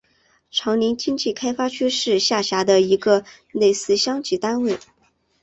长岭经济开发区是下辖的一个类似乡级单位。